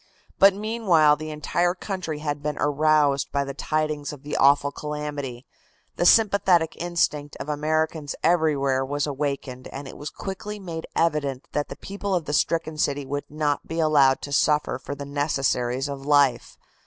But meanwhile the entire country had been aroused by the tidings of the awful calamity, the sympathetic instinct of Americans everywhere was awakened, and it was quickly made evident that the people of the stricken city would not be allowed to suffer for the necessaries of life.